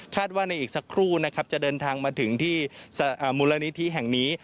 ว่าในอีกสักครู่นะครับจะเดินทางมาถึงที่มูลนิธิแห่งนี้